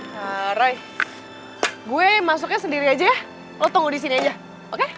carai gue masuknya sendiri aja ya lo tunggu di sini aja oke